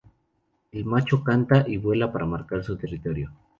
El macho canta y vuela para marcar su territorio.